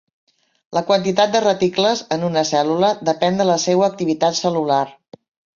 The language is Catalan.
La quantitat de reticles en una cèl·lula depèn de la seua activitat cel·lular.